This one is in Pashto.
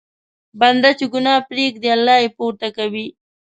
بنده چې ګناه پرېږدي، الله یې پورته کوي.